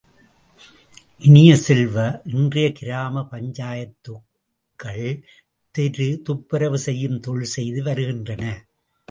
இனிய செல்வ, இன்றைய கிராம பஞ்சாயத்துக்கள் தெரு துப்புரவு செய்யும் தொழில் செய்து வருகின்றன.